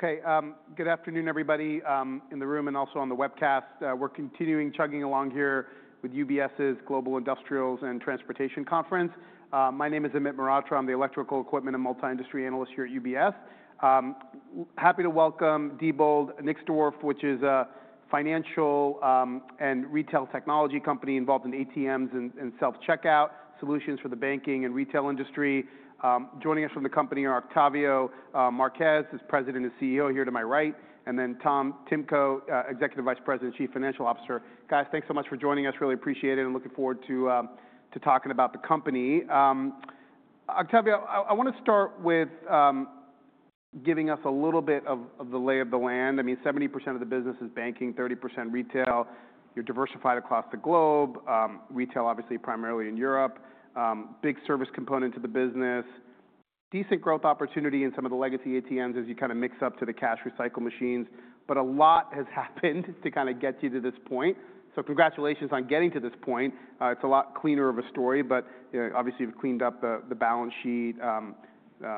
Okay, good afternoon, everybody in the room and also on the webcast. We're continuing chugging along here with UBS's Global Industrials and Transportation Conference. My name is Amit Mehrotra. I'm the Electrical Equipment and Multi-Industry Analyst here at UBS. Happy to welcome Diebold Nixdorf, which is a financial and retail technology company involved in ATMs and self-checkout solutions for the banking and retail industry. Joining us from the company are Octavio Marquez, who's President and CEO here to my right, and then Tom Timko, Executive Vice President and Chief Financial Officer. Guys, thanks so much for joining us. Really appreciate it and looking forward to talking about the company. Octavio, I want to start with giving us a little bit of the lay of the land. I mean, 70% of the business is banking, 30% retail. You're diversified across the globe. Retail, obviously, primarily in Europe. Big service component to the business. Decent growth opportunity in some of the legacy ATMs as you kind of upgrade to the cash recyclers. But a lot has happened to kind of get you to this point. So congratulations on getting to this point. It's a lot cleaner of a story, but obviously you've cleaned up the balance sheet,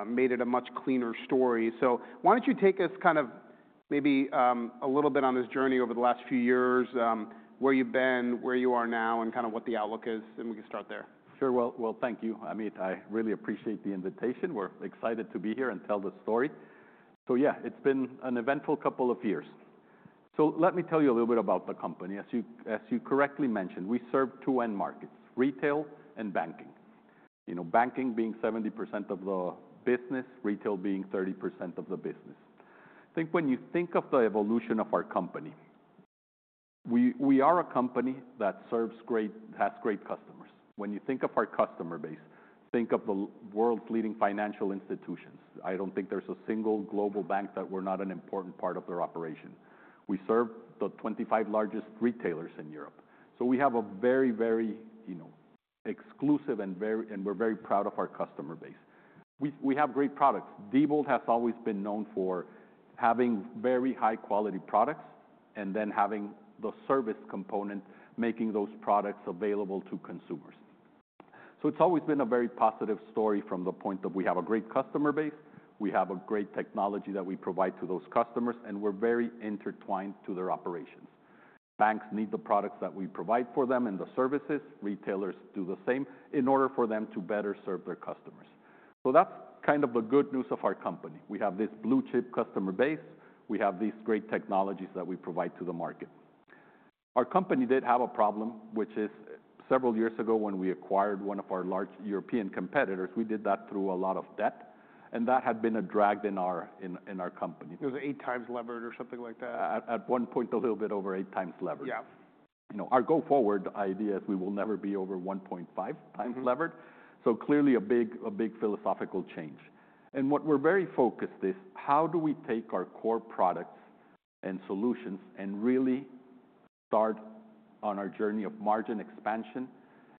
made it a much cleaner story. So why don't you take us kind of maybe a little bit on this journey over the last few years, where you've been, where you are now, and kind of what the outlook is, and we can start there. Sure. Well, thank you, Amit. I really appreciate the invitation. We're excited to be here and tell the story. So yeah, it's been an eventful couple of years. So let me tell you a little bit about the company. As you correctly mentioned, we serve two end markets: retail and banking. Banking being 70% of the business, retail being 30% of the business. I think when you think of the evolution of our company, we are a company that serves great, has great customers. When you think of our customer base, think of the world's leading financial institutions. I don't think there's a single global bank that we're not an important part of their operation. We serve the 25 largest retailers in Europe. So we have a very, very exclusive and we're very proud of our customer base. We have great products. Diebold has always been known for having very high-quality products and then having the service component, making those products available to consumers. So it's always been a very positive story from the point that we have a great customer base, we have great technology that we provide to those customers, and we're very intertwined to their operations. Banks need the products that we provide for them and the services. Retailers do the same in order for them to better serve their customers. So that's kind of the good news of our company. We have this blue chip customer base. We have these great technologies that we provide to the market. Our company did have a problem, which is several years ago when we acquired one of our large European competitors, we did that through a lot of debt, and that had been a drag in our company. It was eight times levered or something like that. At one point, a little bit over eight times levered. Yeah. Our go forward idea is we will never be over 1.5 times levered. So clearly a big philosophical change. And what we're very focused is how do we take our core products and solutions and really start on our journey of margin expansion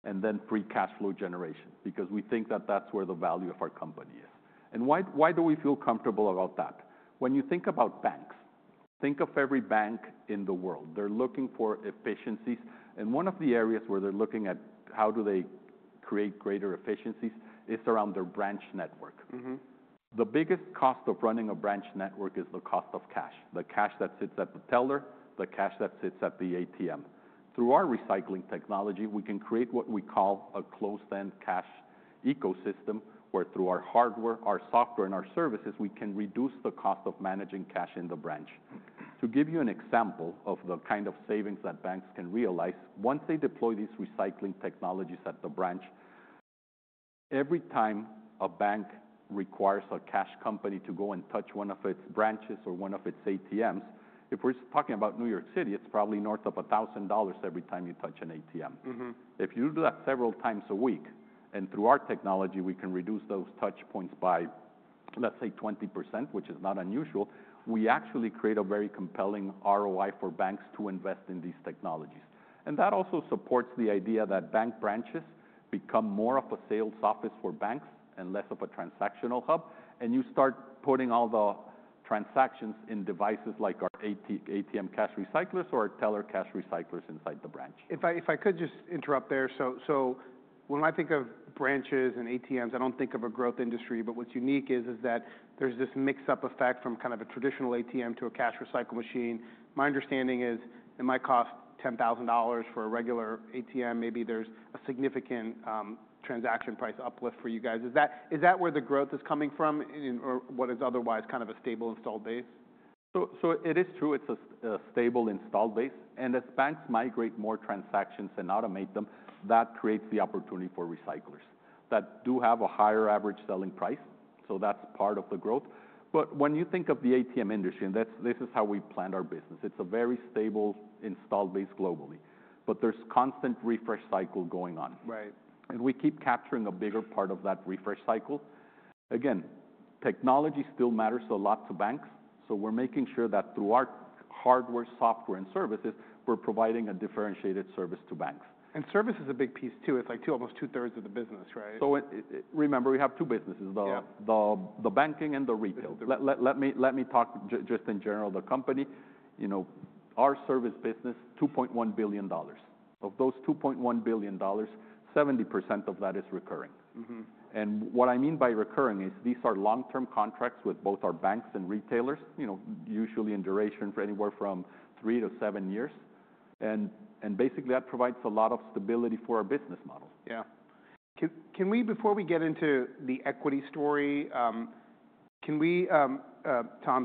and then free cash flow generation because we think that that's where the value of our company is. And why do we feel comfortable about that? When you think about banks, think of every bank in the world. They're looking for efficiencies. And one of the areas where they're looking at how do they create greater efficiencies is around their branch network. The biggest cost of running a branch network is the cost of cash. The cash that sits at the teller, the cash that sits at the ATM. Through our recycling technology, we can create what we call a closed-end cash ecosystem where through our hardware, our software, and our services, we can reduce the cost of managing cash in the branch. To give you an example of the kind of savings that banks can realize, once they deploy these recycling technologies at the branch, every time a bank requires a cash company to go and touch one of its branches or one of its ATMs, if we're talking about New York City, it's probably north of $1,000 every time you touch an ATM. If you do that several times a week, and through our technology, we can reduce those touch points by, let's say, 20%, which is not unusual, we actually create a very compelling ROI for banks to invest in these technologies. That also supports the idea that bank branches become more of a sales office for banks and less of a transactional hub, and you start putting all the transactions in devices like our ATM cash recyclers or our teller cash recyclers inside the branch. If I could just interrupt there. So when I think of branches and ATMs, I don't think of a growth industry, but what's unique is that there's this mix-up effect from kind of a traditional ATM to a cash recycle machine. My understanding is it might cost $10,000 for a regular ATM. Maybe there's a significant transaction price uplift for you guys. Is that where the growth is coming from or what is otherwise kind of a stable installed base? So, it is true. It's a stable installed base. And as banks migrate more transactions and automate them, that creates the opportunity for recyclers that do have a higher average selling price. So that's part of the growth. But when you think of the ATM industry, and this is how we plan our business, it's a very stable installed base globally, but there's a constant refresh cycle going on. Right. We keep capturing a bigger part of that refresh cycle. Again, technology still matters a lot to banks. We're making sure that through our hardware, software, and services, we're providing a differentiated service to banks. Service is a big piece too. It's like almost 2/3 of the business, right? So, remember, we have two businesses, the banking and the retail. Let me talk just in general of the company. Our service business, $2.1 billion. Of those $2.1 billion, 70% of that is recurring. And what I mean by recurring is these are long-term contracts with both our banks and retailers, usually in duration for anywhere from three to seven years. And basically, that provides a lot of stability for our business model. Yeah. Can we, before we get into the equity story, can we, Tom,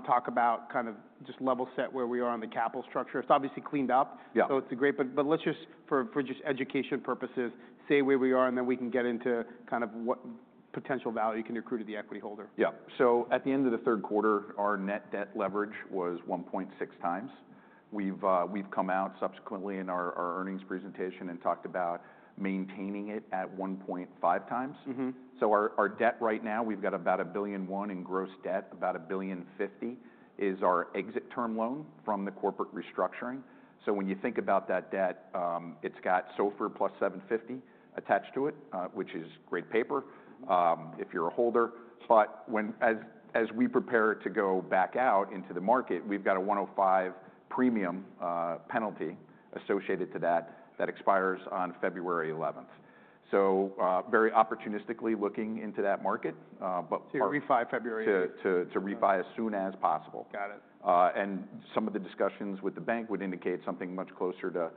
talk about kind of just level set where we are on the capital structure? It's obviously cleaned up. Yeah. So it's great, but let's just, for just educational purposes, say where we are, and then we can get into kind of what potential value you can accrue to the equity holder. Yeah. So at the end of the third quarter, our net debt leverage was 1.6 times. We've come out subsequently in our earnings presentation and talked about maintaining it at 1.5 times. So our debt right now, we've got about $1.1 billion in gross debt, about $1.05 billion is our exit term loan from the corporate restructuring. So when you think about that debt, it's got SOFR +750 attached to it, which is great paper if you're a holder. But as we prepare to go back out into the market, we've got a 105 premium penalty associated to that that expires on February 11th. So very opportunistically looking into that market. To refi February 18th. To refi as soon as possible. Got it. Some of the discussions with the bank would indicate something much closer to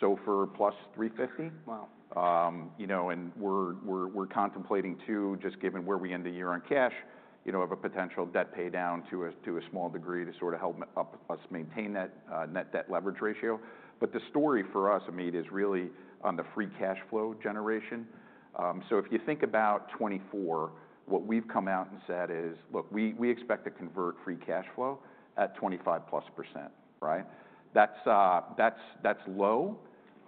SOFR +350. Wow. We're contemplating too, just given where we end the year on cash, of a potential debt pay down to a small degree to sort of help us maintain that net debt leverage ratio. But the story for us, Amit, is really on the free cash flow generation. So if you think about 2024, what we've come out and said is, "Look, we expect to convert free cash flow at 25%+." Right? That's low,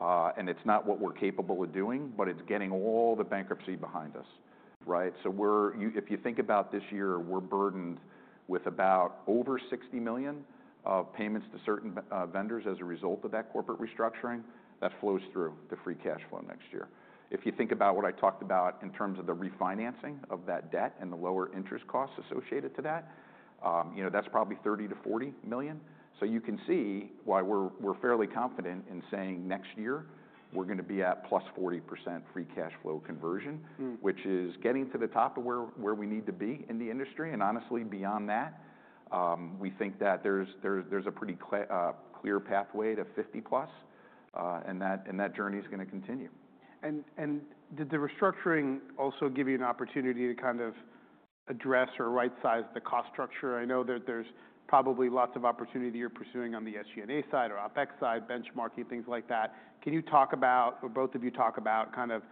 and it's not what we're capable of doing, but it's getting all the bankruptcy behind us. Right? So if you think about this year, we're burdened with about over $60 million of payments to certain vendors as a result of that corporate restructuring. That flows through the free cash flow next year. If you think about what I talked about in terms of the refinancing of that debt and the lower interest costs associated to that, that's probably $30 million-$40 million. So you can see why we're fairly confident in saying next year we're going to be at +40% free cash flow conversion, which is getting to the top of where we need to be in the industry. And honestly, beyond that, we think that there's a pretty clear pathway to 50+%, and that journey is going to continue. Did the restructuring also give you an opportunity to kind of address or right-size the cost structure? I know that there's probably lots of opportunity that you're pursuing on the SG&A side or OpEx side, benchmarking, things like that. Can you talk about, or both of you talk about, kind of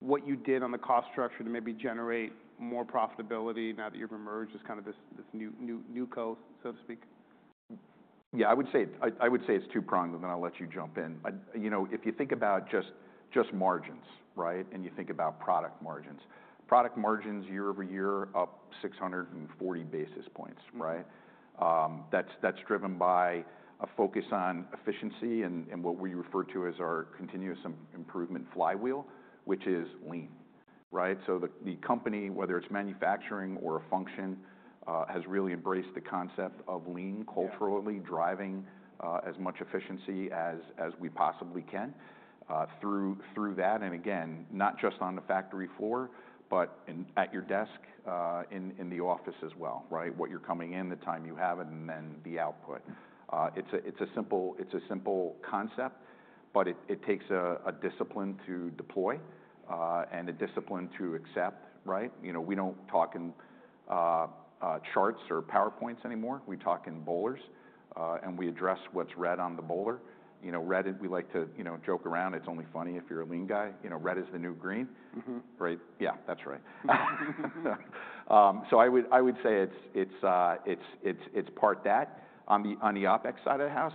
what you did on the cost structure to maybe generate more profitability now that you've emerged as kind of this newco, so to speak? Yeah, I would say it's two-pronged, and then I'll let you jump in. If you think about just margins, right, and you think about product margins, product margins year-over-year up 640 basis points. Right? That's driven by a focus on efficiency and what we refer to as our continuous improvement flywheel, which is lean. Right? So the company, whether it's manufacturing or a function, has really embraced the concept of lean culturally, driving as much efficiency as we possibly can through that. And again, not just on the factory floor, but at your desk in the office as well. Right? What you're coming in, the time you have it, and then the output. It's a simple concept, but it takes a discipline to deploy and a discipline to accept. Right? We don't talk in charts or PowerPoints anymore. We talk in bowlers, and we address what's red on the bowlers. Red, we like to joke around, it's only funny if you're a lean guy. Red is the new green. Right? Yeah, that's right. So I would say it's part that. On the OpEx side of the house,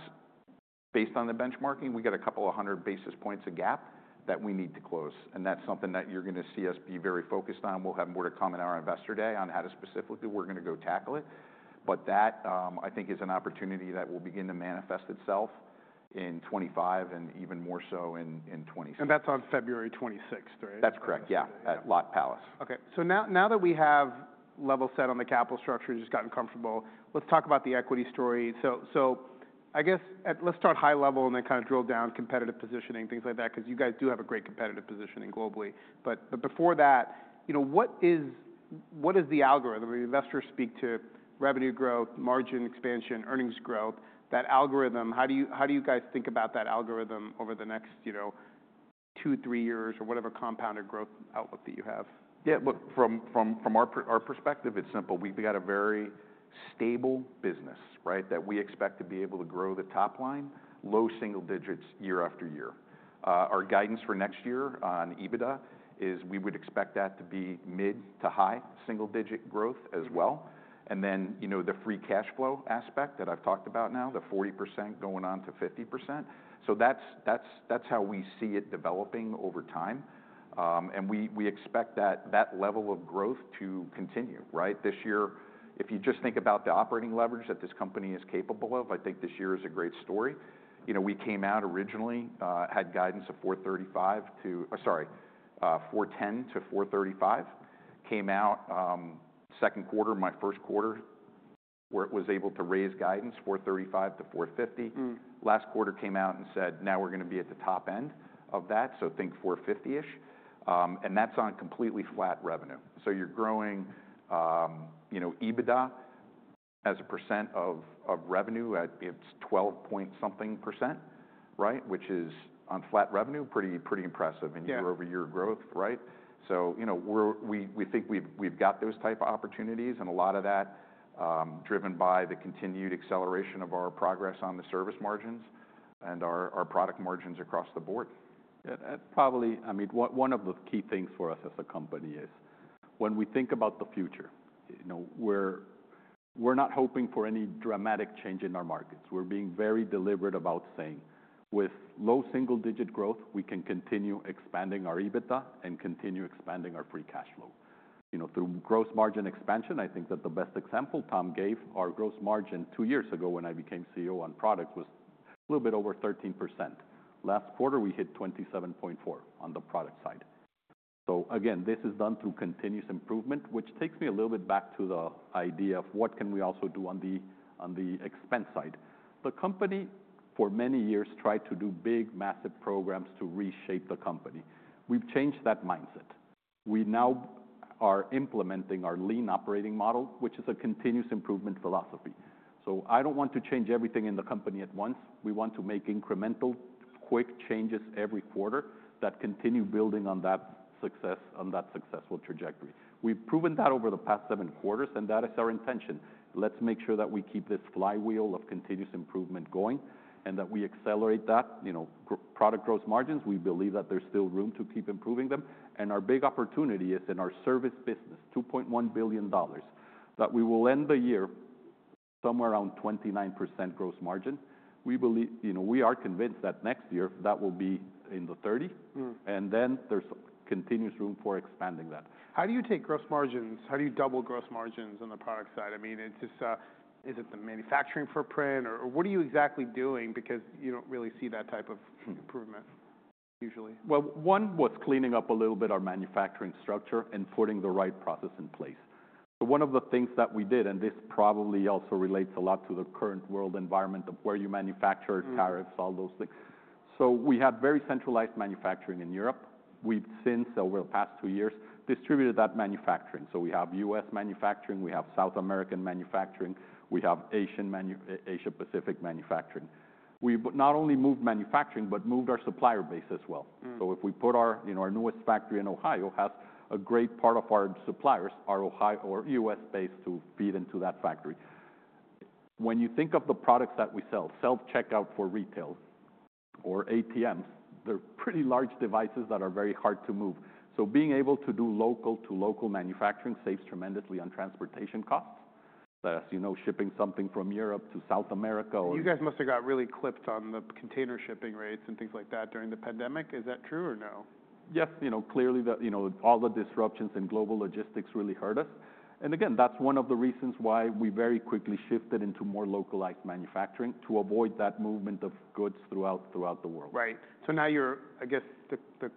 based on the benchmarking, we got a couple of hundred basis points of gap that we need to close, and that's something that you're going to see us be very focused on. We'll have more to come in our investor day on how to specifically we're going to go tackle it, but that, I think, is an opportunity that will begin to manifest itself in 2025 and even more so in 2026. That's on February 26th, right? That's correct. Yeah, at Lotte Palace. Okay. So now that we have level set on the capital structure, you've just gotten comfortable, let's talk about the equity story. So I guess let's start high level and then kind of drill down competitive positioning, things like that, because you guys do have a great competitive positioning globally. But before that, what is the algorithm? When investors speak to revenue growth, margin expansion, earnings growth, that algorithm, how do you guys think about that algorithm over the next two, three years or whatever compounded growth outlook that you have? Yeah, look, from our perspective, it's simple. We've got a very stable business, right, that we expect to be able to grow the top line low single digits year-after -year. Our guidance for next year on EBITDA is we would expect that to be mid-to-high single-digit growth as well. And then the free cash flow aspect that I've talked about now, the 40% going on to 50%. So that's how we see it developing over time. And we expect that level of growth to continue. Right? This year, if you just think about the operating leverage that this company is capable of, I think this year is a great story. We came out originally had guidance of $435 million to, sorry, $410 million-$435 million. Came out second quarter, my first quarter, where it was able to raise guidance $435 million-$450 million. Last quarter came out and said, "Now we're going to be at the top end of that," so think $450-ish and that's on completely flat revenue, so you're growing EBITDA as a percent of revenue, it's 12 point something %, right, which is on flat revenue, pretty impressive in year-over-year growth right, so we think we've got those type of opportunities and a lot of that driven by the continued acceleration of our progress on the service margins and our product margins across the board. Probably, I mean, one of the key things for us as a company is when we think about the future, we're not hoping for any dramatic change in our markets. We're being very deliberate about saying with low single digit growth, we can continue expanding our EBITDA and continue expanding our free cash flow. Through gross margin expansion, I think that the best example Tom gave. Our gross margin two years ago when I became CEO on product was a little bit over 13%. Last quarter, we hit 27.4% on the product side. So again, this is done through continuous improvement, which takes me a little bit back to the idea of what can we also do on the expense side. The company for many years tried to do big, massive programs to reshape the company. We've changed that mindset. We now are implementing our Lean operating model, which is a continuous improvement philosophy. So I don't want to change everything in the company at once. We want to make incremental quick changes every quarter that continue building on that successful trajectory. We've proven that over the past seven quarters, and that is our intention. Let's make sure that we keep this flywheel of continuous improvement going and that we accelerate that product growth margins. We believe that there's still room to keep improving them. And our big opportunity is in our service business, $2.1 billion, that we will end the year somewhere around 29% gross margin. We are convinced that next year that will be in the 30%, and then there's continuous room for expanding that. How do you take gross margins? How do you double gross margins on the product side? I mean, is it the manufacturing footprint, or what are you exactly doing? Because you don't really see that type of improvement usually. Well, one, what's cleaning up a little bit our manufacturing structure and putting the right process in place. So one of the things that we did, and this probably also relates a lot to the current world environment of where you manufacture, tariffs, all those things. So we had very centralized manufacturing in Europe. We've since, over the past two years, distributed that manufacturing. So we have U.S. manufacturing, we have South American manufacturing, we have Asia-Pacific manufacturing. We've not only moved manufacturing, but moved our supplier base as well. So if we put our newest factory in Ohio, it has a great part of our suppliers, our U.S. base to feed into that factory. When you think of the products that we sell, self-checkout for retail or ATMs, they're pretty large devices that are very hard to move. So being able to do local to local manufacturing saves tremendously on transportation costs. As you know, shipping something from Europe to South America. You guys must have got really clipped on the container shipping rates and things like that during the pandemic. Is that true or no? Yes. Clearly, all the disruptions in global logistics really hurt us. And again, that's one of the reasons why we very quickly shifted into more localized manufacturing to avoid that movement of goods throughout the world. Right. So now you're, I guess, the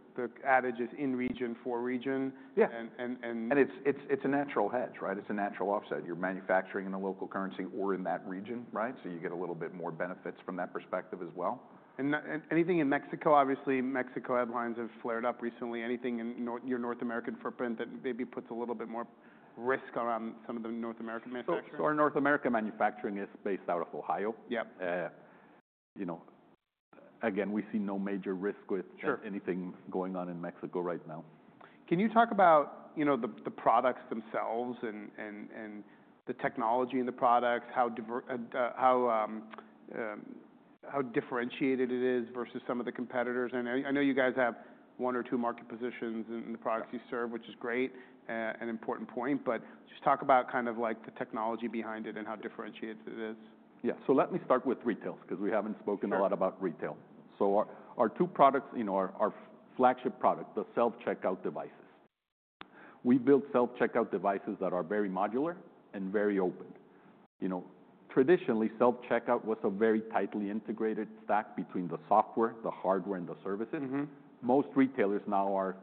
adage is in region for region. Yeah. And it's a natural hedge, right? It's a natural offset. You're manufacturing in the local currency or in that region, right? So you get a little bit more benefits from that perspective as well. And anything in Mexico? Obviously, Mexico headlines have flared up recently. Anything in your North American footprint that maybe puts a little bit more risk around some of the North American manufacturing? So our North America manufacturing is based out of Ohio. Yep. Again, we see no major risk with anything going on in Mexico right now. Can you talk about the products themselves and the technology in the products, how differentiated it is versus some of the competitors? And I know you guys have one or two market positions in the products you serve, which is great, an important point. But just talk about kind of like the technology behind it and how differentiated it is. Yeah. So let me start with retail because we haven't spoken a lot about retail. So our two products, our flagship product, the self-checkout devices. We build self-checkout devices that are very modular and very open. Traditionally, self-checkout was a very tightly integrated stack between the software, the hardware, and the services. Most retailers now are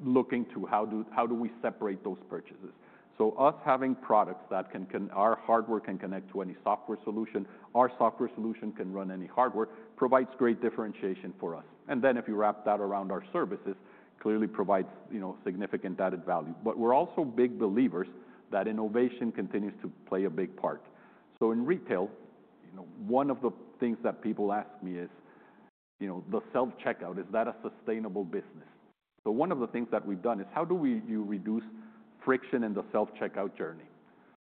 looking to how do we separate those purchases. So us having products that our hardware can connect to any software solution, our software solution can run any hardware, provides great differentiation for us. And then if you wrap that around our services, clearly provides significant added value. But we're also big believers that innovation continues to play a big part. So in retail, one of the things that people ask me is the self-checkout, is that a sustainable business? So one of the things that we've done is how do you reduce friction in the self-checkout journey?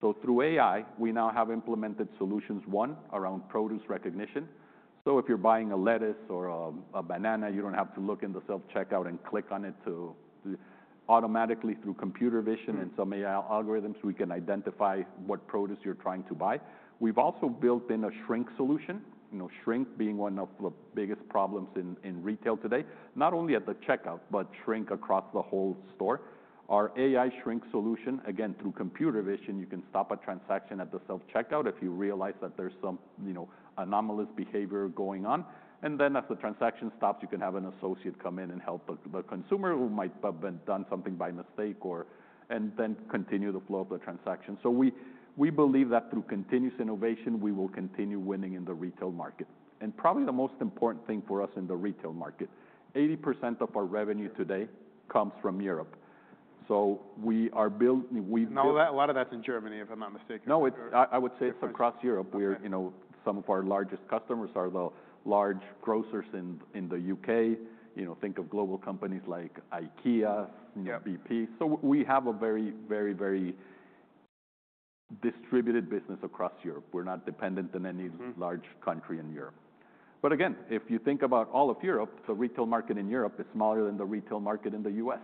So through AI, we now have implemented solutions, one around produce recognition. So if you're buying a lettuce or a banana, you don't have to look in the self-checkout and click on it to automatically through computer vision and some AI algorithms, we can identify what produce you're trying to buy. We've also built in a shrink solution, shrink being one of the biggest problems in retail today, not only at the checkout, but shrink across the whole store. Our AI shrink solution, again, through computer vision, you can stop a transaction at the self-checkout if you realize that there's some anomalous behavior going on. And then as the transaction stops, you can have an associate come in and help the consumer who might have done something by mistake and then continue the flow of the transaction. So we believe that through continuous innovation, we will continue winning in the retail market. And probably the most important thing for us in the retail market, 80% of our revenue today comes from Europe. So we are building. A lot of that's in Germany, if I'm not mistaken. No, I would say it's across Europe. Some of our largest customers are the large grocers in the U.K. Think of global companies like IKEA, BP. So we have a very, very, very distributed business across Europe. We're not dependent on any large country in Europe. But again, if you think about all of Europe, the retail market in Europe is smaller than the retail market in the U.S.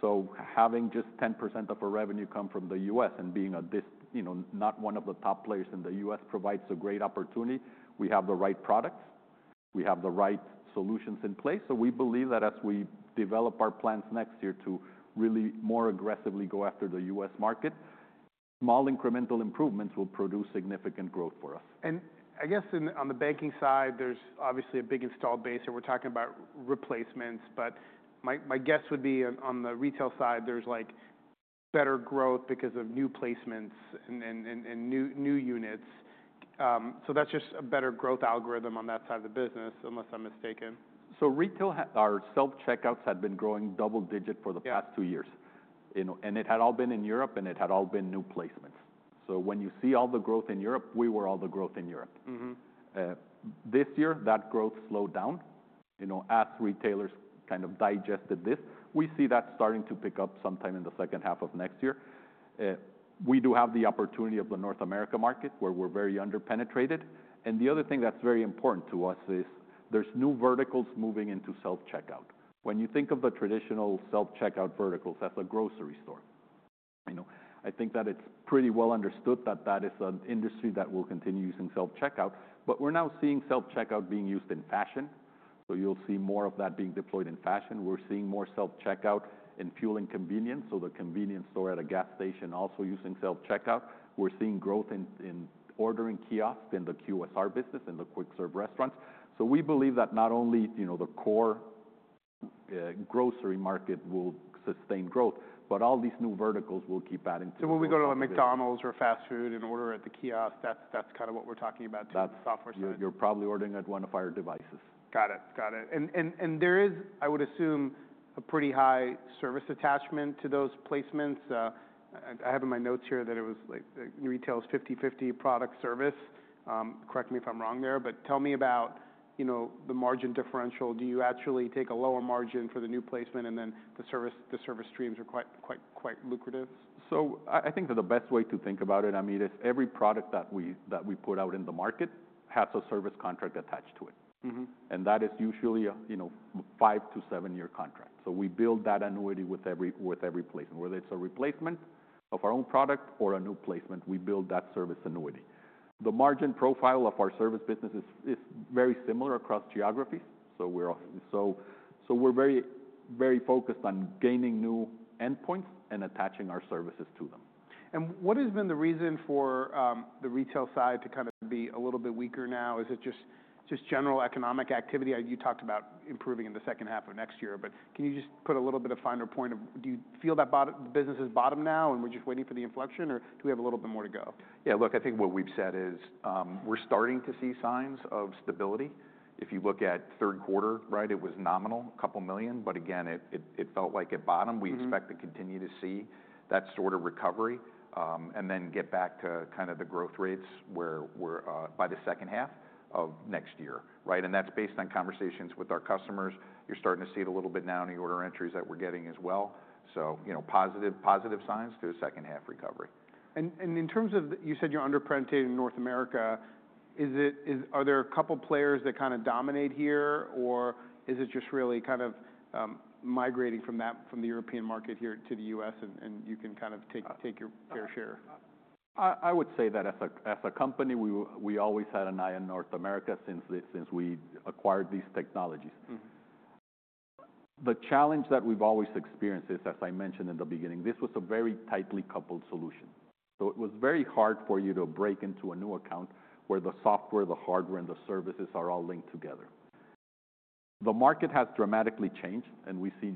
So having just 10% of our revenue come from the U.S. and being not one of the top players in the U.S. provides a great opportunity. We have the right products. We have the right solutions in place. So we believe that as we develop our plans next year to really more aggressively go after the U.S. market, small incremental improvements will produce significant growth for us. And I guess on the banking side, there's obviously a big installed base that we're talking about replacements. But my guess would be on the retail side, there's like better growth because of new placements and new units. So that's just a better growth algorithm on that side of the business, unless I'm mistaken. Retail, our self-checkouts had been growing double digit for the past two years. And it had all been in Europe and it had all been new placements. So when you see all the growth in Europe, we were all the growth in Europe. This year, that growth slowed down. As retailers kind of digested this, we see that starting to pick up sometime in the second half of next year. We do have the opportunity of the North America market where we're very underpenetrated. And the other thing that's very important to us is there's new verticals moving into self-checkout. When you think of the traditional self-checkout verticals as a grocery store, I think that it's pretty well understood that that is an industry that will continue using self-checkout. But we're now seeing self-checkout being used in fashion. So you'll see more of that being deployed in fashion. We're seeing more self-checkout in fuel and convenience. So the convenience store at a gas station also using self-checkout. We're seeing growth in ordering kiosks in the QSR business and the quick serve restaurants. So we believe that not only the core grocery market will sustain growth, but all these new verticals will keep adding to it. So when we go to a McDonald's or fast food and order at the kiosk, that's kind of what we're talking about too, the software side. You're probably ordering at one of our devices. Got it. Got it. And there is, I would assume, a pretty high service attachment to those placements. I have in my notes here that it was retail's 50/50 product service. Correct me if I'm wrong there, but tell me about the margin differential. Do you actually take a lower margin for the new placement and then the service streams are quite lucrative? I think that the best way to think about it, I mean, is every product that we put out in the market has a service contract attached to it. That is usually a five-to-seven-year contract. We build that annuity with every placement, whether it's a replacement of our own product or a new placement, we build that service annuity. The margin profile of our service business is very similar across geographies. We're very focused on gaining new endpoints and attaching our services to them. What has been the reason for the retail side to kind of be a little bit weaker now? Is it just general economic activity? You talked about improving in the second half of next year, but can you just put a little bit of finer point of do you feel that the business is bottom now and we're just waiting for the inflection, or do we have a little bit more to go? Yeah, look, I think what we've said is we're starting to see signs of stability. If you look at third quarter, right, it was nominal, a couple million, but again, it felt like at bottom. We expect to continue to see that sort of recovery and then get back to kind of the growth rates by the second half of next year. Right? And that's based on conversations with our customers. You're starting to see it a little bit now in the order entries that we're getting as well. So positive signs to a second half recovery. In terms of you said you're underpenetrating North America, are there a couple of players that kind of dominate here, or is it just really kind of migrating from the European market here to the U.S. and you can kind of take your fair share? I would say that as a company, we always had an eye on North America since we acquired these technologies. The challenge that we've always experienced is, as I mentioned in the beginning, this was a very tightly coupled solution. So it was very hard for you to break into a new account where the software, the hardware, and the services are all linked together. The market has dramatically changed, and we see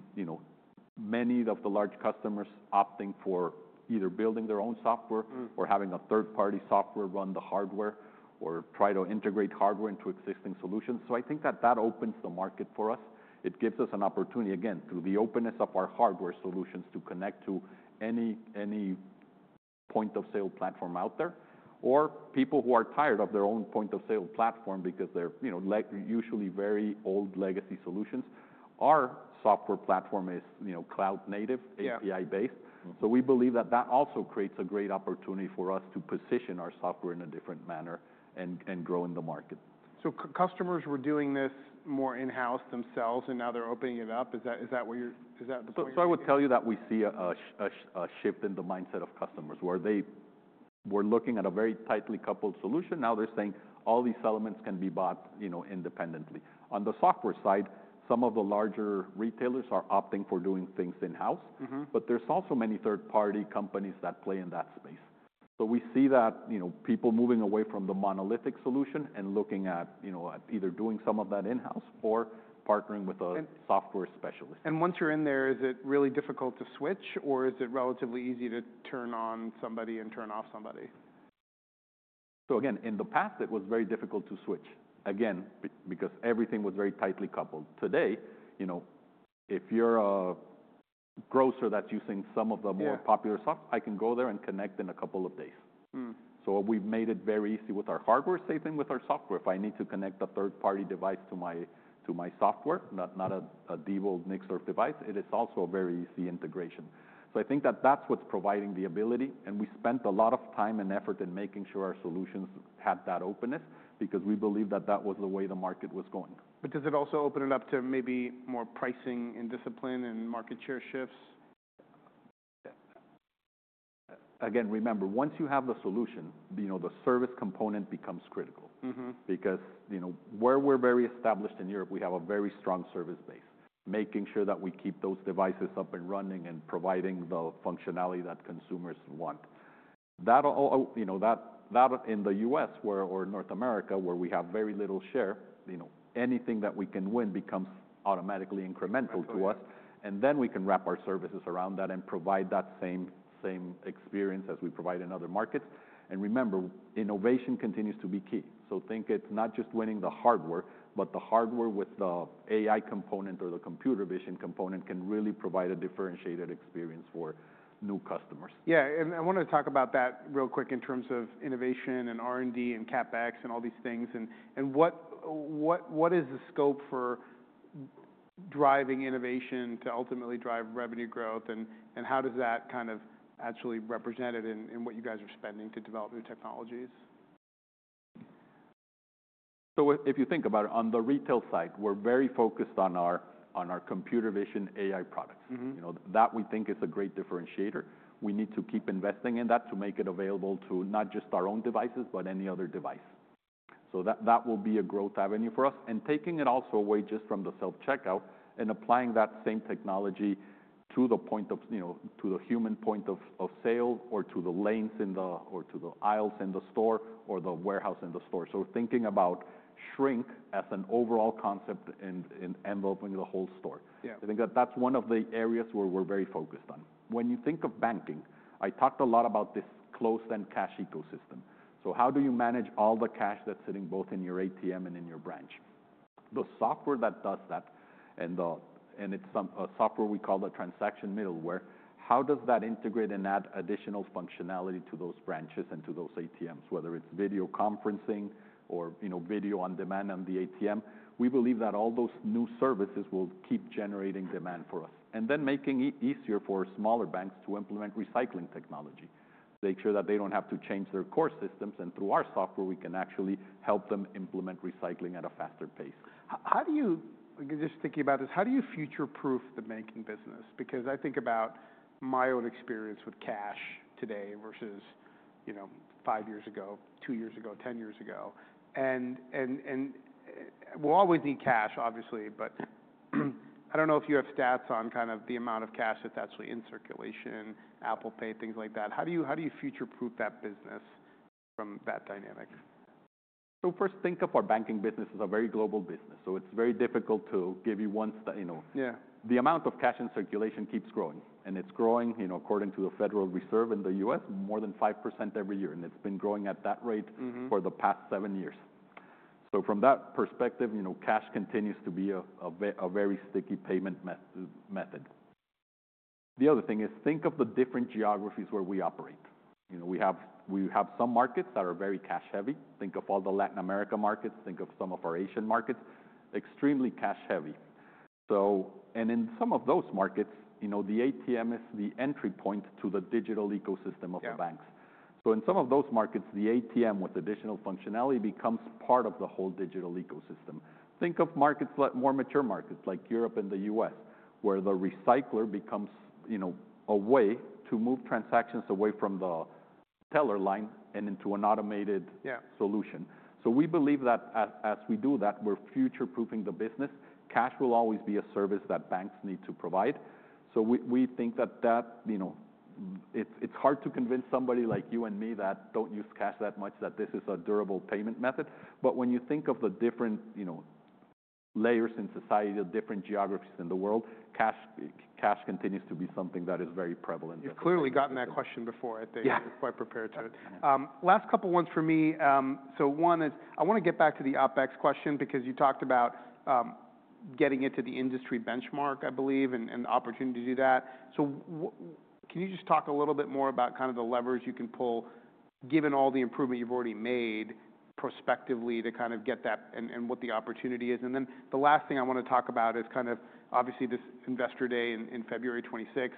many of the large customers opting for either building their own software or having a third-party software run the hardware or try to integrate hardware into existing solutions. So I think that that opens the market for us. It gives us an opportunity, again, through the openness of our hardware solutions to connect to any point of sale platform out there, or people who are tired of their own point of sale platform because they're usually very old legacy solutions. Our software platform is cloud native, API based. So we believe that that also creates a great opportunity for us to position our software in a different manner and grow in the market. So customers were doing this more in-house themselves, and now they're opening it up. Is that the point? So I would tell you that we see a shift in the mindset of customers where they were looking at a very tightly coupled solution. Now they're saying all these elements can be bought independently. On the software side, some of the larger retailers are opting for doing things in-house, but there's also many third-party companies that play in that space. So we see that people moving away from the monolithic solution and looking at either doing some of that in-house or partnering with a software specialist. Once you're in there, is it really difficult to switch, or is it relatively easy to turn on somebody and turn off somebody? So again, in the past, it was very difficult to switch, again, because everything was very tightly coupled. Today, if you're a grocer that's using some of the more popular stuff, I can go there and connect in a couple of days. So we've made it very easy with our hardware, same thing with our software. If I need to connect a third-party device to my software, not a Diebold Nixdorf device, it is also a very easy integration. So I think that that's what's providing the ability. And we spent a lot of time and effort in making sure our solutions had that openness because we believe that that was the way the market was going. But does it also open it up to maybe more pricing and discipline and market share shifts? Again, remember, once you have the solution, the service component becomes critical because where we're very established in Europe, we have a very strong service base, making sure that we keep those devices up and running and providing the functionality that consumers want. That, in the U.S. or North America, where we have very little share, anything that we can win becomes automatically incremental to us, and then we can wrap our services around that and provide that same experience as we provide in other markets, and remember, innovation continues to be key, so think it's not just winning the hardware, but the hardware with the AI component or the computer vision component can really provide a differentiated experience for new customers. Yeah. And I want to talk about that real quick in terms of innovation and R&D and CapEx and all these things. And what is the scope for driving innovation to ultimately drive revenue growth, and how does that kind of actually represent it in what you guys are spending to develop new technologies? So if you think about it, on the retail side, we're very focused on our computer vision AI products. That we think is a great differentiator. We need to keep investing in that to make it available to not just our own devices, but any other device. So that will be a growth avenue for us. And taking it also away just from the self-checkout and applying that same technology to the human point of sale or to the lanes or to the aisles in the store or the warehouse in the store. So thinking about shrink as an overall concept and enveloping the whole store. I think that that's one of the areas where we're very focused on. When you think of banking, I talked a lot about this closed-end cash ecosystem. So how do you manage all the cash that's sitting both in your ATM and in your branch? The software that does that, and it's a software we call the transaction middleware, how does that integrate and add additional functionality to those branches and to those ATMs, whether it's video conferencing or video on demand on the ATM? We believe that all those new services will keep generating demand for us and then make it easier for smaller banks to implement recycling technology, make sure that they don't have to change their core systems. And through our software, we can actually help them implement recycling at a faster pace. Just thinking about this, how do you future-proof the banking business? Because I think about my own experience with cash today versus five years ago, two years ago, 10 years ago. And we'll always need cash, obviously, but I don't know if you have stats on kind of the amount of cash that's actually in circulation, Apple Pay, things like that. How do you future-proof that business from that dynamic? So first, think of our banking business as a very global business. So it's very difficult to give you one stat. The amount of cash in circulation keeps growing, and it's growing according to the Federal Reserve in the U.S., more than 5% every year. And it's been growing at that rate for the past seven years. So from that perspective, cash continues to be a very sticky payment method. The other thing is think of the different geographies where we operate. We have some markets that are very cash-heavy. Think of all the Latin America markets. Think of some of our Asian markets, extremely cash-heavy. And in some of those markets, the ATM is the entry point to the digital ecosystem of the banks. So in some of those markets, the ATM with additional functionality becomes part of the whole digital ecosystem. Think of markets, more mature markets like Europe and the U.S., where the recycler becomes a way to move transactions away from the teller line and into an automated solution. So we believe that as we do that, we're future-proofing the business. Cash will always be a service that banks need to provide. So we think that it's hard to convince somebody like you and me that don't use cash that much, that this is a durable payment method. But when you think of the different layers in society, the different geographies in the world, cash continues to be something that is very prevalent. You've clearly gotten that question before. I think you're quite prepared to. Last couple of ones for me, so one is I want to get back to the OpEx question because you talked about getting into the industry benchmark, I believe, and the opportunity to do that. So can you just talk a little bit more about kind of the levers you can pull, given all the improvement you've already made prospectively to kind of get that and what the opportunity is? And then the last thing I want to talk about is kind of obviously this Investor Day in February 26th.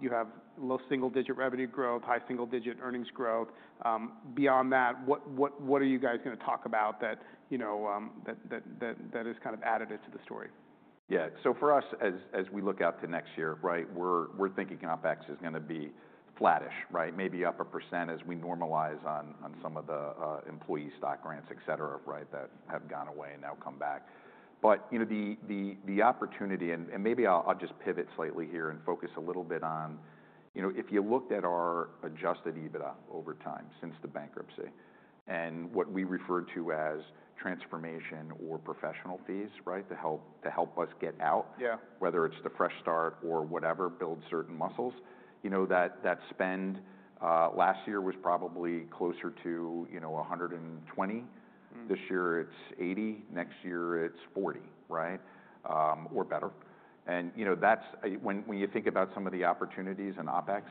You have low single-digit revenue growth, high single-digit earnings growth. Beyond that, what are you guys going to talk about that is kind of additive to the story? Yeah. So for us, as we look out to next year, right, we're thinking OpEx is going to be flattish, right? Maybe up 1% as we normalize on some of the employee stock grants, et cetera, right, that have gone away and now come back. But the opportunity, and maybe I'll just pivot slightly here and focus a little bit on if you looked at our adjusted EBITDA over time since the bankruptcy and what we refer to as transformation or professional fees, right, to help us get out, whether it's to fresh start or whatever, build certain muscles, that spend last year was probably closer to $120 million. This year it's $80 million. Next year it's $40 million, right, or better. And when you think about some of the opportunities in OpEx,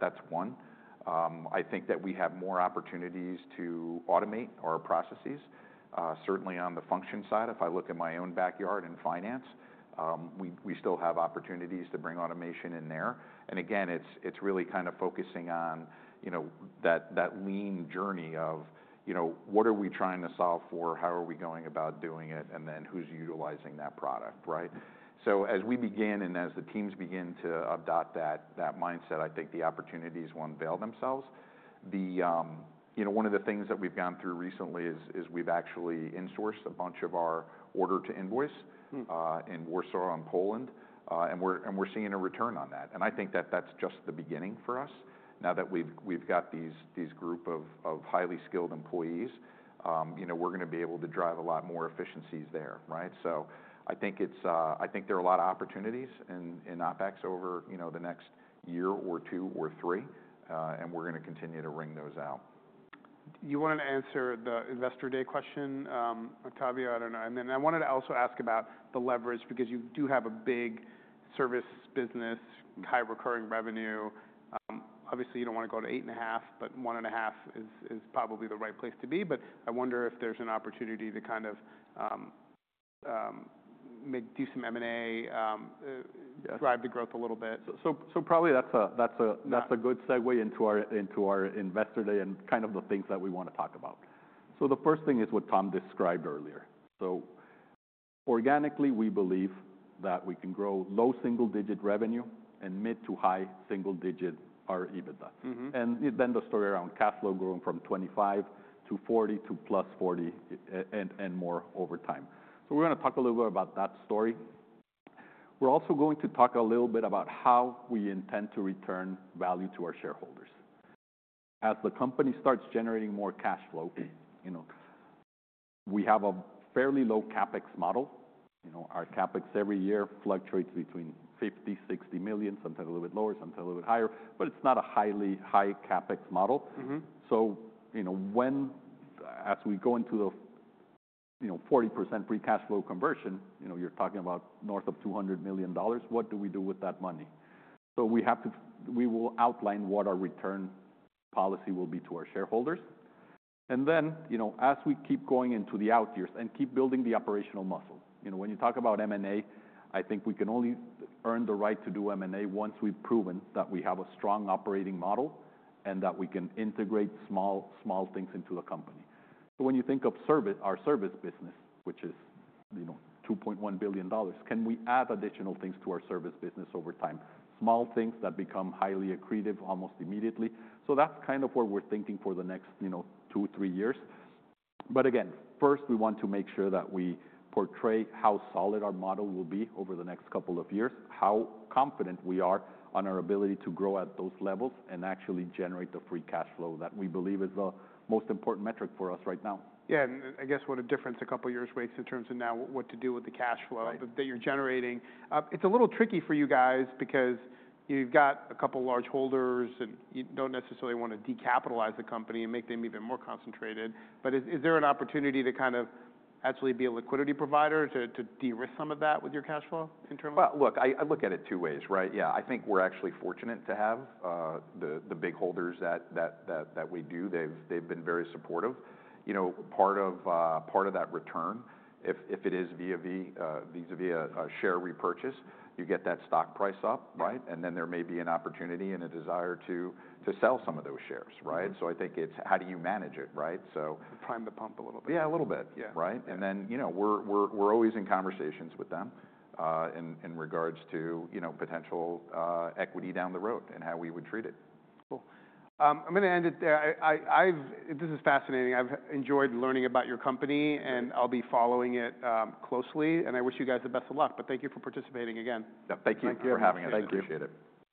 that's one. I think that we have more opportunities to automate our processes, certainly on the function side. If I look at my own backyard in finance, we still have opportunities to bring automation in there. And again, it's really kind of focusing on that lean journey of what are we trying to solve for, how are we going about doing it, and then who's utilizing that product, right? So as we begin and as the teams begin to adopt that mindset, I think the opportunities will unveil themselves. One of the things that we've gone through recently is we've actually insourced a bunch of our Order to Invoice in Warsaw and Poland, and we're seeing a return on that. And I think that that's just the beginning for us. Now that we've got this group of highly skilled employees, we're going to be able to drive a lot more efficiencies there, right? So I think there are a lot of opportunities in OpEx over the next year or two or three, and we're going to continue to ring those out. You wanted to answer the Investor Day question, Octavio. I don't know. And then I wanted to also ask about the leverage because you do have a big service business, high recurring revenue. Obviously, you don't want to go to eight and a half, but one and a half is probably the right place to be. But I wonder if there's an opportunity to kind of do some M&A, drive the growth a little bit. So probably that's a good segue into our investor day and kind of the things that we want to talk about. So the first thing is what Tom described earlier. So organically, we believe that we can grow low single-digit revenue and mid to high single-digit our EBITDA. And then the story around cash flow growing from $25 million-$40million to +$40 million and more over time. So we're going to talk a little bit about that story. We're also going to talk a little bit about how we intend to return value to our shareholders. As the company starts generating more cash flow, we have a fairly low CapEx model. Our CapEx every year fluctuates between $50million-$60 million, sometimes a little bit lower, sometimes a little bit higher, but it's not a highly high CapEx model. As we go into the 40% free cash flow conversion, you're talking about north of $200 million. What do we do with that money? We will outline what our return policy will be to our shareholders. Then as we keep going into the out years and keep building the operational muscle, when you talk about M&A, I think we can only earn the right to do M&A once we've proven that we have a strong operating model and that we can integrate small things into the company. When you think of our service business, which is $2.1 billion, can we add additional things to our service business over time? Small things that become highly accretive almost immediately. That's kind of where we're thinking for the next two, three years. Again, first, we want to make sure that we portray how solid our model will be over the next couple of years, how confident we are on our ability to grow at those levels and actually generate the free cash flow that we believe is the most important metric for us right now. Yeah. And I guess what a difference a couple of years makes in terms of now what to do with the cash flow that you're generating. It's a little tricky for you guys because you've got a couple of large holders and you don't necessarily want to decapitalize the company and make them even more concentrated. But is there an opportunity to kind of actually be a liquidity provider to de-risk some of that with your cash flow in terms? Look, I look at it two ways, right? Yeah. I think we're actually fortunate to have the big holders that we do. They've been very supportive. Part of that return, if it is via share repurchase, you get that stock price up, right? Then there may be an opportunity and a desire to sell some of those shares, right? I think it's how do you manage it, right? Prime the pump a little bit. Yeah, a little bit, right? And then we're always in conversations with them in regards to potential equity down the road and how we would treat it. Cool. I'm going to end it there. This is fascinating. I've enjoyed learning about your company, and I'll be following it closely, and I wish you guys the best of luck, but thank you for participating again. Thank you for having us. I appreciate it.